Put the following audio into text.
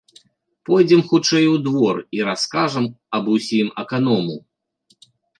Пойдзем хутчэй у двор і раскажам аб усім аканому.